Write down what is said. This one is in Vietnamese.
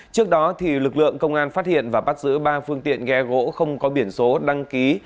trước đó lực lượng công an phát hiện và bắt giữ ba phương tiện ghe gỗ không có biển số đăng ký